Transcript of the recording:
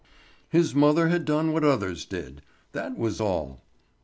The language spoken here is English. His mother had done what others did—that was all.